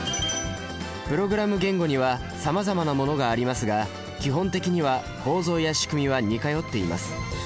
プログラム言語にはさまざまなものがありますが基本的には構造やしくみは似通っています。